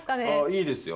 いいですよ。